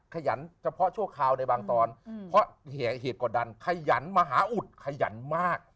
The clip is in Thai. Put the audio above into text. ขยันเฉพาะชั่วคราวในบางตอนเพราะเหตุกดดันขยันมหาอุดขยันมาก